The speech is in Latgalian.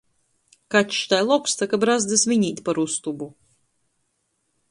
Kačs tai loksta, ka brazdys viņ īt par ustobu.